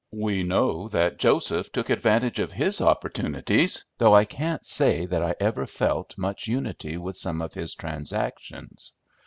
We know that Joseph took advantage of his opportunities, though I can't say that I ever felt much unity with some of his transactions.